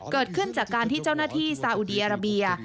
เกิดขึ้นจากการที่เจ้าหน้าที่ซาอุดีอาราเบีย